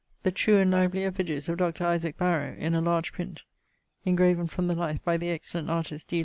'The true and lively effigies of Dr. Isaac Barrow' in a large print, ingraven from the life by the excellent artist D.